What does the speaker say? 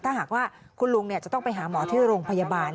ถ้าหากว่าคุณลุงจะต้องไปหาหมอที่โรงพยาบาล